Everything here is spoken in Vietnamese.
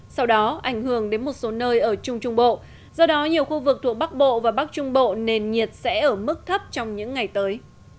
sau đó ảnh hưởng đến một số nơi ở trung trung bộ do đó nhiều khu vực thuộc bắc bộ và bắc trung bộ nền nhiệt sẽ ở mức thấp trong những ngày tới